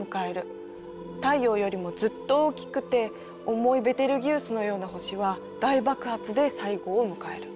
太陽よりもずっと大きくて重いベテルギウスのような星は大爆発で最後を迎える。